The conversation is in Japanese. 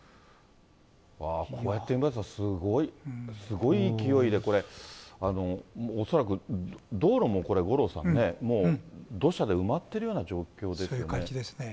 わー、こうやって見ますと、すごい、すごい勢いでこれ、恐らく道路も、これ、五郎さんね、もう土砂で埋まっているような状そういう感じですね。